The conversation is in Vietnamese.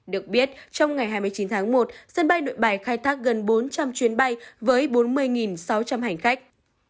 được biết trong ngày hai mươi chín tháng một sân bay nội bài khai thác gần bốn trăm linh chuyến bay với bốn mươi sáu trăm linh hành khách